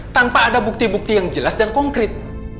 tanpa ada bukti bukti yang jelas dan konkret